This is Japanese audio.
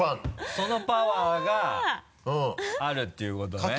そのパワーがあるっていうことね。